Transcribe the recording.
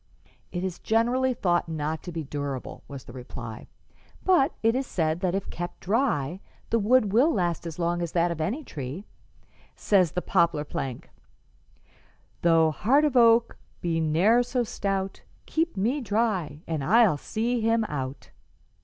"It is generally thought not to be durable," was the reply, "but it is said that if kept dry the wood will last as long as that of any tree. Says the poplar plank, "'Though heart of oak be ne'er so stout, Keep me dry and I'll see him out.'